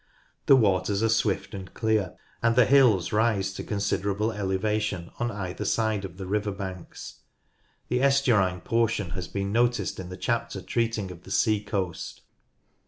The waters are swift and clear, and the hills rise to considerable elevation on either side of the river banks. The estuarine portion has been noticed in the chapter treating of the sea coast.